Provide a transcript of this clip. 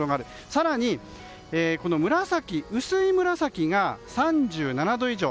更に、薄い紫が３７度以上。